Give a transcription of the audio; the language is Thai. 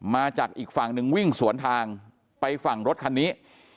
มาจากอีกฝั่งหนึ่งวิ่งสวนทางไปฝั่งรถคันนี้